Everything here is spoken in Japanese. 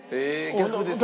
逆ですね